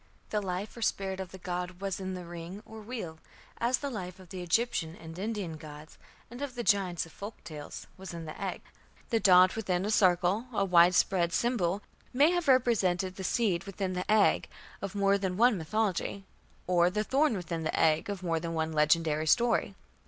The life or spirit of the god was in the ring or wheel, as the life of the Egyptian and Indian gods, and of the giants of folk tales, was in "the egg". The "dot within the circle", a widespread symbol, may have represented the seed within "the egg" of more than one mythology, or the thorn within the egg of more than one legendary story.